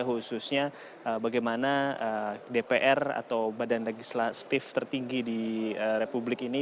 khususnya bagaimana dpr atau badan legislatif tertinggi di republik ini